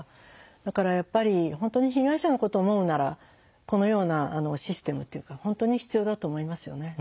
だからやっぱり本当に被害者のことを思うならこのようなシステムっていうか本当に必要だと思いますよね。